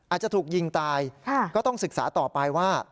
อาจจะถูกยิงตายก็ต้องศึกษาต่อไปว่า